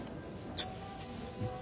ちょっと。